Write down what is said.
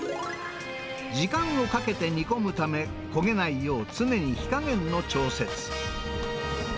時間をかけて煮込むため、焦げないよう常に火加減の調節。